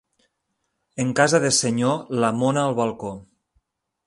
En casa de senyor, la mona al balcó.